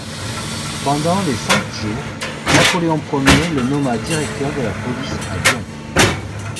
Pendant les Cent-Jours, Napoléon I le nomma directeur de la police à Lyon.